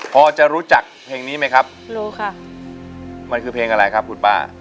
พอจะรู้จักเพลงนี้ไหมครับรู้ค่ะมันคือเพลงอะไรครับคุณป้า